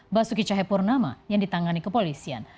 basuki cahayapurnama yang ditangani kepolisian